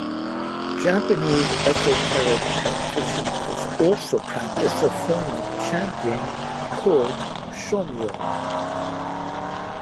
Japanese esoteric practitioners also practice a form of chanting called "shomyo".